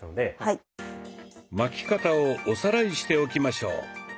巻き方をおさらいしておきましょう。